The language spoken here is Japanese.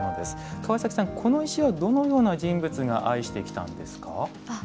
川崎さん、この石はどのような人物が愛してきたんですか？